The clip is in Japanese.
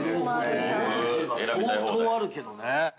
◆４０は、相当あるけどね。